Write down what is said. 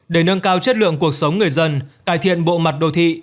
để nâng cao chất lượng cuộc sống người dân cải thiện bộ mặt đô thị